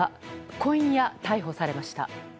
今夜、逮捕されました。